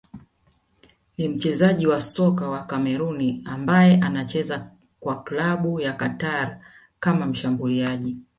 ni mchezaji wa soka wa Kameruni ambaye anacheza kwa klabu ya Qatar kama mshambuliaji